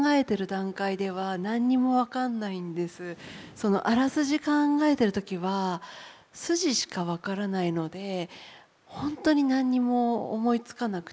私そのあらすじ考えている時は筋しか分からないので本当に何にも思いつかなくて。